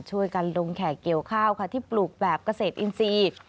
ช่วยกันลงแขกเกี่ยวข้าวค่ะที่ปลูกแบบเกษตรอินทรีย์